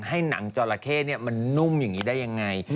ให้หนังจราเข้มันนุ่มอย่างนี้ได้ยังไง